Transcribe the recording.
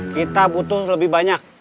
kita butuh lebih banyak